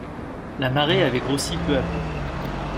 La marée avait grossi peu à peu.